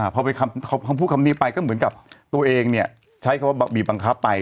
พอไปคำพูดคำนี้ไปก็เหมือนกับตัวเองเนี่ยใช้คำว่าบีบังคับไป